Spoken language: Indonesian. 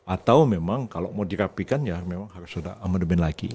atau memang kalau mau dirapikan ya memang harus ada amandemen lagi